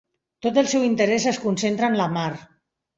Tot el seu interès es concentra en la Mar.